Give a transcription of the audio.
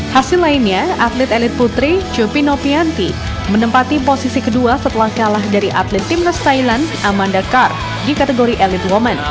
hasil lainnya atlet elite putri cupino pianti menempati posisi kedua setelah kalah dari atlet timnas thailand amanda carr di kategori elite woman